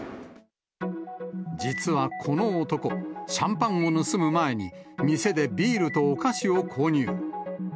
実はこの男、シャンパンを盗む前に、店でビールとお菓子を購入。